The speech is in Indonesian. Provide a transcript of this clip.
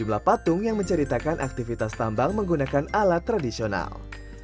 sejumlah patung yang menceritakan aktivitas tambang menggunakan alat tradisional